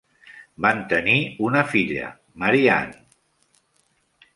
Van tenir una filla: Marie-Anne.